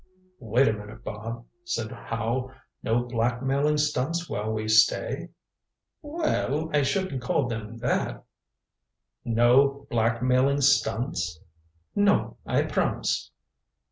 "Wait a minute, Bob," said Howe. "No blackmailing stunts while we stay?" "Well I shouldn't call them that " "No blackmailing stunts?" "No I promise."